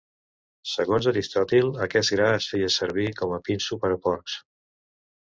Segons Aristòtil aquest gra es feia servir com a pinso per a porcs.